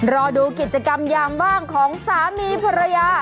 รอดูกิจกรรมยามบ้างของสามีภรรยา